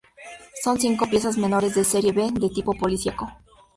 Son cinco piezas menores de serie B, de tipo policiaco.